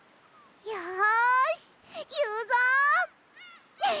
よしいうぞ！